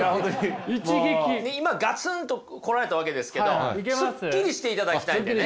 今ガツンと来られたわけですけどスッキリしていただきたいんでね。